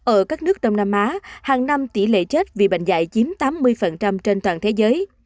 ở các nước đông nam á hàng năm tỷ lệ chết vì bệnh dạy chiếm tám mươi trên toàn thế giới